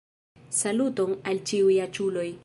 Saluton al ĉiuj aĉuloj